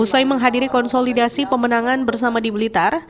usai menghadiri konsolidasi pemenangan bersama di blitar